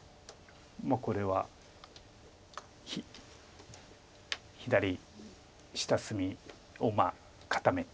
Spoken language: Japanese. まあこれは左下隅を固めて。